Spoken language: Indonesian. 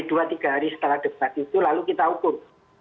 dua tiga hari setelah debat itu lalu kita ukur